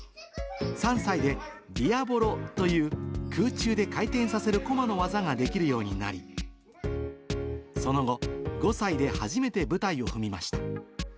３歳でディアボロという空中で回転させるこまの技ができるようになり、その後、５歳で初めて舞台を踏みました。